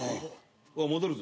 戻るぞ。